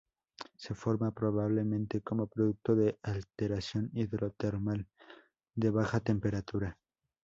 Se forma probablemente como producto de alteración hidrotermal de baja temperatura.